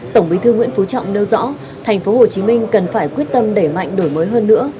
tổng bí thư nguyễn phú trọng nêu rõ tp hcm cần phải quyết tâm đẩy mạnh đổi mới hơn nữa